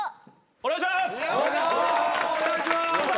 お願いします。